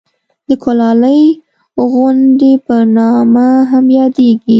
د کولالۍ غونډۍ په نامه هم یادېږي.